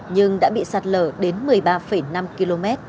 nhưng đã bị sạt lở đến một mươi ba năm km